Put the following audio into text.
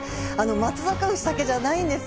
松阪牛だけじゃないんです。